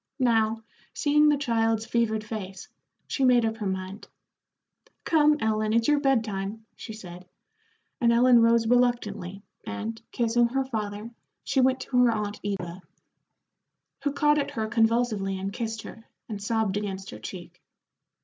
Now, seeing the child's fevered face, she made up her mind. "Come, Ellen, it's your bed time," she said, and Ellen rose reluctantly, and, kissing her father, she went to her aunt Eva, who caught at her convulsively and kissed her, and sobbed against her cheek.